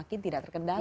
makin tidak terkendali